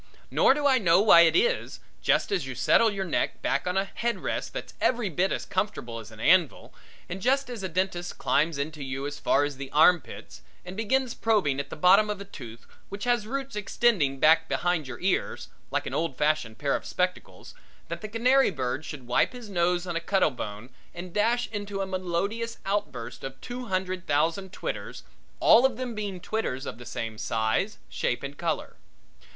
Nor do I know why it is, just as you settle your neck back on a head rest that's every bit as comfortable as an anvil, and just as a dentist climbs into you as far as the arm pits and begins probing at the bottom of a tooth which has roots extending back behind your ears, like an old fashioned pair of spectacles, that the canary bird should wipe his nose on a cuttle bone and dash into a melodious outburst of two hundred thousand twitters, all of them being twitters of the same size, shape, and color.